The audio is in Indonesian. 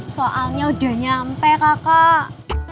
soalnya udah nyampe kakak